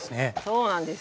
そうなんです。